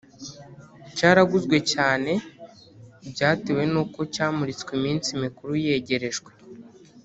’ cyaraguzwe cyane byatewe n’uko cyamuritswe iminsi mikuru yegerejwe